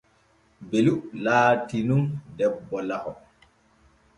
Belu laati nun debbo laho.